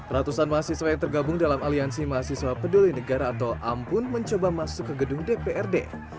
ratusan mahasiswa yang tergabung dalam aliansi mahasiswa peduli negara atau ampun mencoba masuk ke gedung dprd